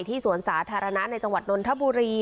สวนสาธารณะในจังหวัดนนทบุรี